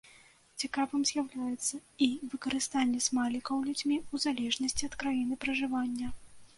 Цікавым з'яўляецца і выкарыстанне смайлікаў людзьмі ў залежнасці ад краіны пражывання.